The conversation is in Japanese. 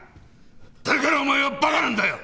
だからお前は馬鹿なんだよ！